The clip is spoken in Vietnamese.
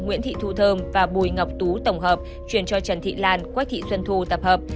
nguyễn thị thu thơm và bùi ngọc tú tổng hợp truyền cho trần thị lan quách thị xuân thu tập hợp